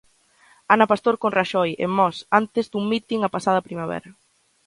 Ana Pastor con Raxoi, en Mos, antes dun mitin a pasada primavera.